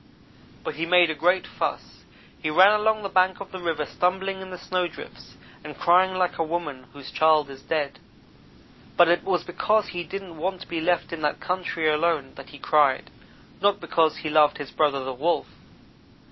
but he made a great fuss. He ran along the bank of the river, stumbling in the snowdrifts, and crying like a woman whose child is dead; but it was because he didn't want to be left in that country alone that he cried not because he loved his brother, the Wolf.